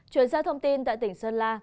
chuyển sang thông tin tại tỉnh sơn la